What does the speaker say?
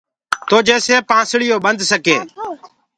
تو جيڪسي پانسݪيونٚ ٻنَد سڪين۔